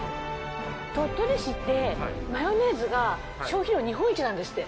鳥取市ってマヨネーズが消費量日本一なんですって。